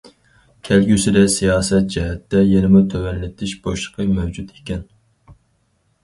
كەلگۈسىدە سىياسەت جەھەتتە يەنىمۇ تۆۋەنلىتىش بوشلۇقى مەۋجۇت ئىكەن.